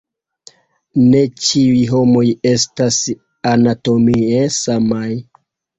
Ne ĉiuj homoj estas anatomie samaj.